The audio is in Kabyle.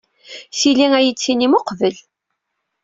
Tili ad iyi-d-tinim uqbel.